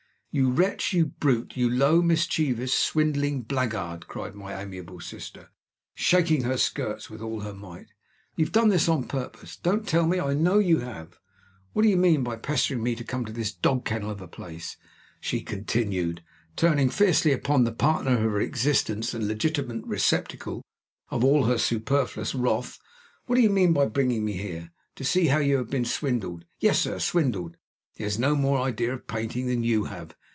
"You wretch! you brute! you low, mischievous, swindling blackguard!" cried my amiable sister, shaking her skirts with all her might, "you have done this on purpose! Don't tell me! I know you have. What do you mean by pestering me to come to this dog kennel of a place?" she continued, turning fiercely upon the partner of her existence and legitimate receptacle of all her superfluous wrath. "What do you mean by bringing me here, to see how you have been swindled? Yes, sir, swindled! He has no more idea of painting than you have.